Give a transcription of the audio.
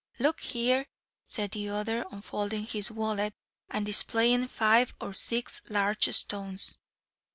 "Look here," said the other, unfolding his wallet and displaying five or six large stones.